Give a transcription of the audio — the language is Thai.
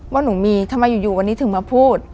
ว่าหนูมีทำไมอยู่วันนี้ถึงมาพูด